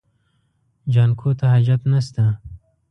جانکو ته حاجت نشته.